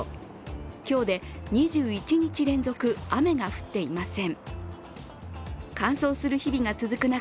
今日で２１日連続、雨が降っていません。